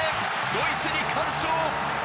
ドイツに完勝！